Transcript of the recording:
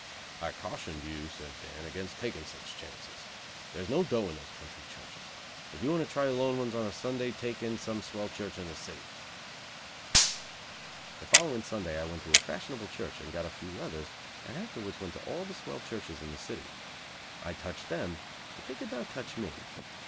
"I cautioned you," said Dan, "against taking such chances. There's no dough in these country churches. If you want to try lone ones on a Sunday take in some swell church in the city." The following Sunday I went to a fashionable church and got a few leathers, and afterwards went to all the swell churches in the city. I touched them, but they could not touch me.